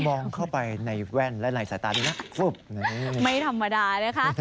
มองเข้าไปในแว่นและในสายตาดูนะไม่ธรรมดานะคะ